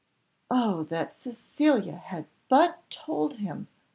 "Oh that Cecilia had but told him!"